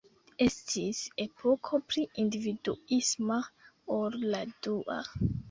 Estis epoko pli individuisma ol la dua.